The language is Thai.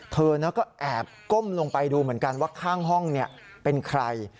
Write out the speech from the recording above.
เธอก็แอบก้มลงไปดูเหมือนกันว่าข้างห้องเป็นใคร